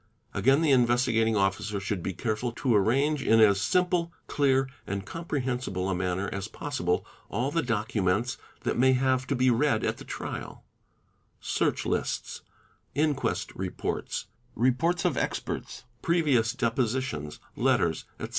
| Again the Investigating Officer should be careful to arrange in as' sumple, clear, and comprehensible a manner as possible, all the documents that may have to be read at the trial,—search lists, inquest reports, — reports of experts, previous depositions, letters, etc.